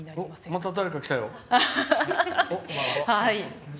また誰か来たよ。